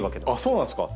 そうなんですか。